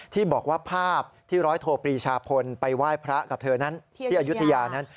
ที่บอกว่าภาพที่ร้อยโทปรีชาพลไปไหว้พระกับเธอนั้นที่อายุทยานั้น